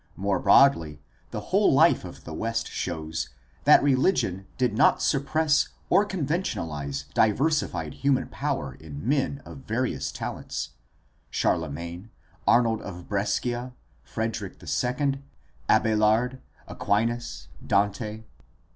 More broadly, the whole life of the West shows that religion did not suppress or conventionalize diversified human power in men of varied talents: Charlemagne, Arnold of Brescia, Frederick II, Abelard, Aquinas, Dante.